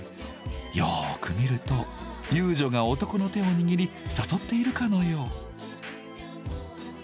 よく見ると遊女が男の手を握り誘っているかのよう。